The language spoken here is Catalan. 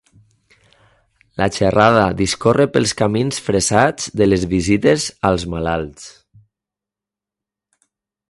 La xerrada discorre pels camins fressats de les visites als malalts.